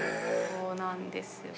そうなんですよ